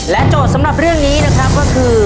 โจทย์สำหรับเรื่องนี้นะครับก็คือ